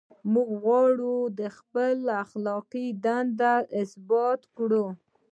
موږ غواړو خپله اخلاقي دنده ثابته کړو.